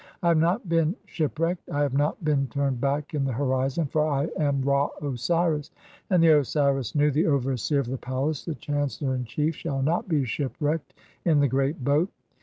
I have not been (18) shipwrecked, I "have not been turned back in the horizon, for I am Ra Osiris, "and the Osiris Nu, the overseer of the palace, the chancellor "in chief, shall not be shipwrecked (19) in the Great Boat.